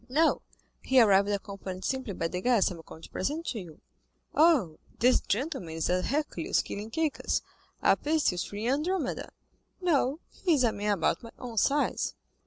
"No, he arrived accompanied simply by the guest I am going to present to you." "Ah, this gentleman is a Hercules killing Cacus, a Perseus freeing Andromeda." "No, he is a man about my own size."